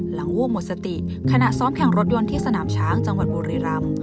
วูบหมดสติขณะซ้อมแข่งรถยนต์ที่สนามช้างจังหวัดบุรีรำ